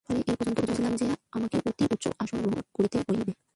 ফলে এই পর্যন্ত বুঝিলাম যে, আমাকে অতি উচ্চ আসন গ্রহণ করিতে হইবে।